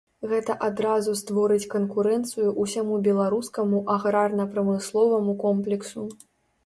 Гэта адразу створыць канкурэнцыю ўсяму беларускаму аграрна-прамысловаму комплексу.